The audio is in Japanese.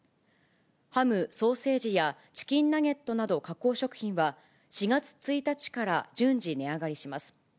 ハム・ソーセージやチキンナゲットなど加工食品は、４月１日から順次値上がりします。